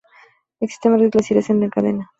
Existen varios glaciares en la cadena.